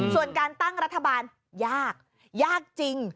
ส่วนการตั้งรัฐบาลยากยากจริง